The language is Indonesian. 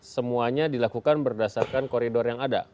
semuanya dilakukan berdasarkan koridor yang ada